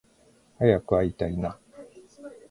早く会いたいな